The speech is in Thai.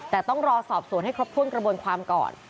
แต่ต้องรอสอบสวนให้ครบถ้วนกระบวนความก่อน